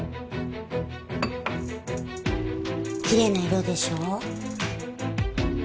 ・きれいな色でしょ